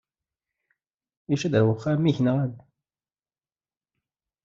Yusa-d ɣer uxxam-nnek, naɣ?